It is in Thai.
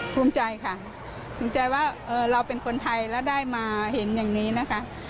ภูมิใจค่ะภูมิใจว่าเราเป็นคนไทยแล้วได้มาเห็นอย่างนี้นะคะ